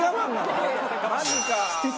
マジか！